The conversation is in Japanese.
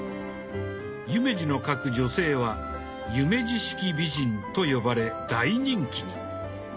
夢二の描く女性は「夢二式美人」と呼ばれ大人気に。